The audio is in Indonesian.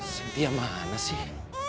sintia mana sih